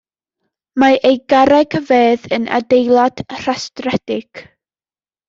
Mae ei garreg fedd yn adeilad rhestredig.